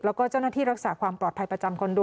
แล้วก็เจ้าหน้าที่รักษาความปลอดภัยประจำคอนโด